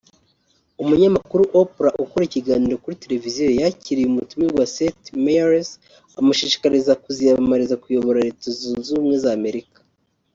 umunyamakuru Oprah ukora ikiganiro kuri televiziyo yakiriye umutumirwa Seth Meyers amushishikariza kuziyamamariza kuyobora Leta zunze ubumwe z’ Amerika